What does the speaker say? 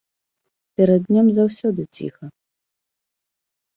Перад днём заўсёды ціха.